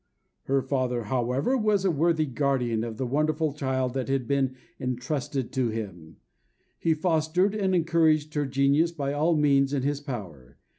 Her father, however, was a worthy guardian of the wonderful child that had been entrusted to him; he fostered and encouraged her genius by all means in his power.